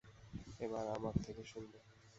এবার আমার থেকে শুনবে।